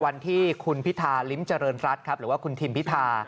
วันที่คุณพิธาลิ้มเจริญรัฐครับหรือว่าคุณทิมพิธา